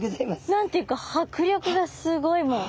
何て言うか迫力がすごいもう。